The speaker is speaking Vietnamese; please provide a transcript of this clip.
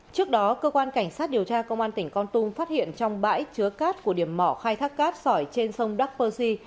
trước đó cơ quan cảnh sát điều tra công an tỉnh con tum phát hiện trong bãi chứa cát của điểm mỏ khai thác cát sỏi trên sông đắk pơ xi